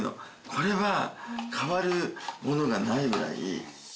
これは代わるものがないぐらい。